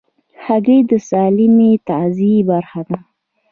هګۍ د سالمې تغذیې برخه ده.